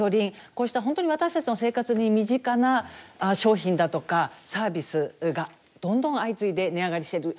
こうした本当に私たちの生活に身近な商品だとかサービスがどんどん相次いで値上がりしてる。